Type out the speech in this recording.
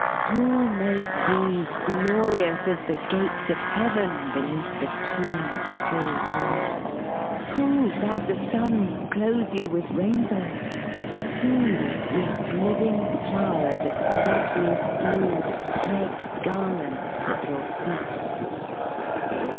Who made you glorious as the gates of Heaven Beneath the keen full moon ? Who bade the Sun Clothe you with rainbows? Who, with living flowers LYRIC POETRY Of loveliest blue, spread garlands at your feet?